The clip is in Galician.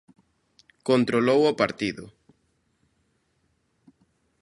Controlou o partido.